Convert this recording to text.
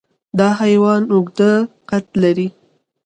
دا حیوان اوږده قد لري.